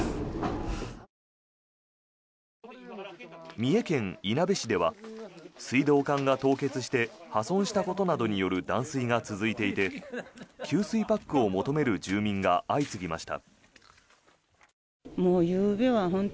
三重県いなべ市では水道管が凍結して破損したことなどによる断水が続いていて給水パックを求める住民が相次ぎました。